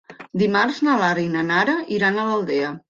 Dimarts na Lara i na Nara iran a l'Aldea.